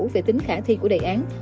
về tính khả thi của đề án